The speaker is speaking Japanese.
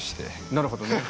なるほど。